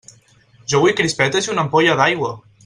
Jo vull crispetes i una ampolla d'aigua!